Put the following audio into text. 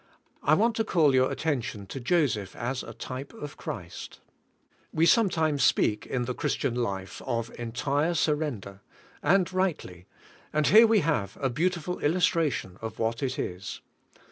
I want to call your attention to Joseph as a type of Christ. We sometimes speak in the Christian life, of entire surrender, and rightl}', and here we have a beau tiful illustration of what it is.